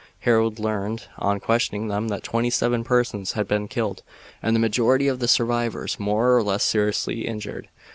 Harold learned, on questioning them, that twenty seven persons had been killed and the majority of the survivors more or less seriously injured.